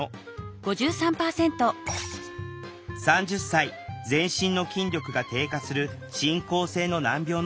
３０歳全身の筋力が低下する進行性の難病の方。